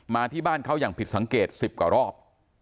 ที่บ้านเขาอย่างผิดสังเกต๑๐กว่ารอบ